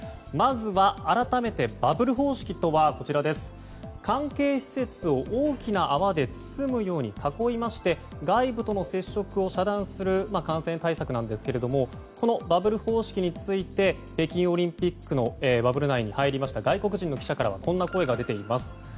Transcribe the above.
まずは改めて、バブル方式とは関係施設を大きな泡で包むように囲いまして外部との接触を遮断する感染対策なんですがこのバブル方式について北京オリンピックのバブル内に入った外国人記者からはこんな声が出ています。